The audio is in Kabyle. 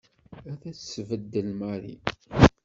Ad tt-tbeddel Mary.